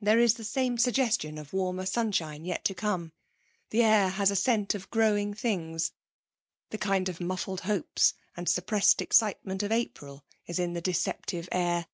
There is the same suggestion of warmer sunshine yet to come; the air has a scent as of growing things, the kind of muffled hopes and suppressed excitement of April is in the deceptive air.